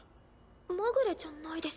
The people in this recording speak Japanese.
まぐれじゃないです。